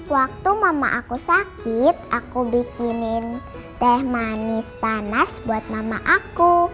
waktu mama aku sakit aku bikinin teh manis panas buat mama aku